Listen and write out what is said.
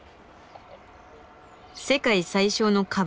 世界最小のカバ